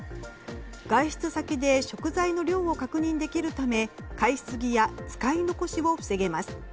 外出先で、食材の量を確認できるため買いすぎや使い残しも防げます。